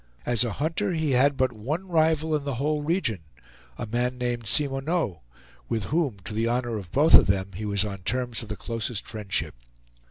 As a hunter he had but one rival in the whole region, a man named Cimoneau, with whom, to the honor of both of them, he was on terms of the closest friendship.